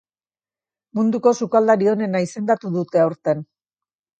Munduko sukaldari onena izendatu dute aurten.